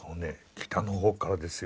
北のほうからですよ